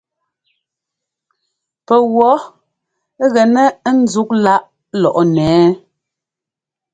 Pɛwɔ̌ gɛnɛ́ ńzúk láꞌ lɔꞌnɛ ɛ́ɛ ?